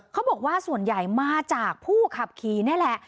เขาบอกว่าส่วนใหญ่มาจากผู้ขับขี่นี่แหละ